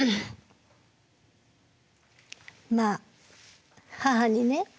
まあ母にね